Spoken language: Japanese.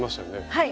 はい。